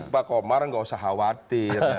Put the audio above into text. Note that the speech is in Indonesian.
pak komar nggak usah khawatir